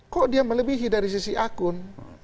kok dia melebihi dari sisi akun